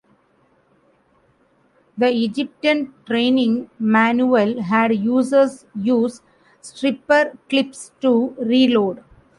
The Egyptian training manual had users use stripper clips to reload.